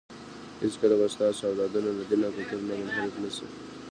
هېڅکله به ستاسو اولادونه له دین او کلتور نه منحرف نه شي.